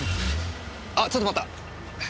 あちょっと待った。